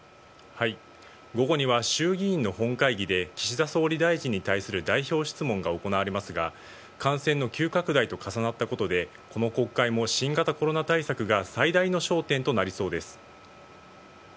午後には衆議院の本会議で、岸田総理大臣に対する代表質問が行われますが、感染の急拡大と重なったことで、この国会も新型コロナ対策が最大の焦点となりそうです。